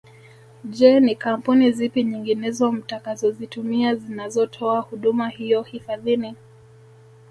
Je ni Kampuni zipi nyinginezo mtakazozitumia zinazotoa huduma hiyo hifadhini